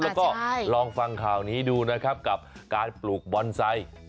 แล้วก็ลองฟังข่าวนี้ดูนะครับกับการปลูกบอนไซค์